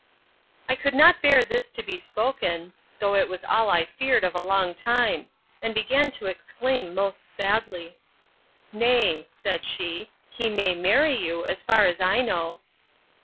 I could not bear this to be spoken, though it was all I feared of a long time; and began to exclaim most sadly. Nay, said she, he may marry you, as far as I know.